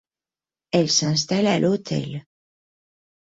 Elle s'installe à l'hôtel.